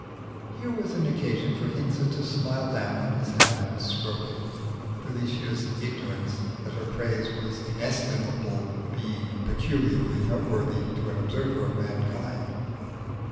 Here was an occasion for Hinze to smile down on his hat and stroke it Felicia's ignorance that her praise was inestimable being peculiarly noteworthy to an observer of mankind.